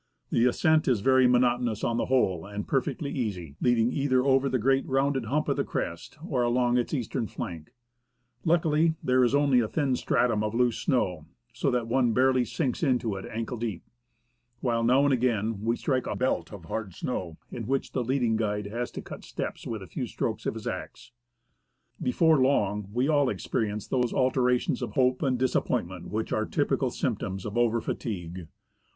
The ascent is very monotonous on the whole and perfectly easy, leading either over the great rounded hump of the crest, or along its eastern flank. Luckily there is only a thin stratum of loose snow, so that one barely sinks into it ankle deep ; while now and again we strike a belt of hard snow in which the leading guide has to cut steps with a few strokes of his axe. Before long we all experience those alternations of hope and dis appointment which are typical symptoms of over fatigue.